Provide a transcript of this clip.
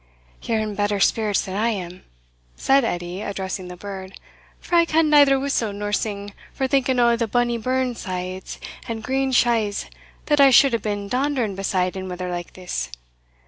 "Ye're in better spirits than I am," said Edie, addressing the bird, "for I can neither whistle nor sing for thinking o' the bonny burnsides and green shaws that I should hae been dandering beside in weather like this.